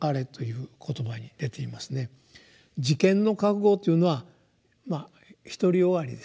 「自見の覚悟」というのはまあ独り善がりですよ。